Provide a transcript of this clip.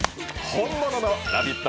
本物の「ラヴィット！」